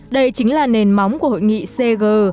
đây chính là nền móng của hội nghị cg